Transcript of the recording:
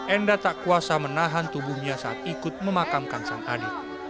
enda tak kuasa menahan tubuhnya saat ikut memakamkan sang adik